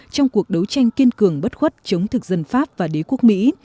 trong cuộc đấu tranh kiên cường bất khuất chống thực dân pháp và đế quốc mỹ